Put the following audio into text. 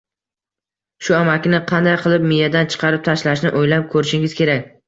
shu amakini qanday qilib miyadan chiqarib tashlashni o‘ylab ko‘rishingiz kerak.